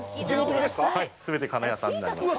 全て鹿屋産になります。